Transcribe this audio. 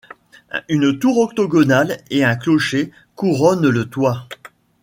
Une tour octogonale et un clocher couronnent le toit.